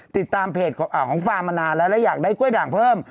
ติดตามเพจของฟาร์มมานานแล้วแล้วอยากได้กล้วยด่างเพิ่ม